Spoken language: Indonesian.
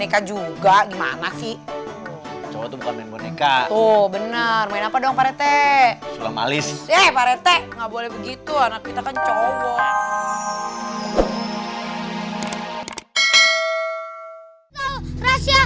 kita juga gimana sih tuh bener bener apa dong pak rete malis pak rete nggak boleh begitu anak kita